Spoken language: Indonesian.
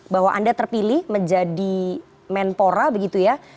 bahwa anda terpilih menjadi menpora begitu ya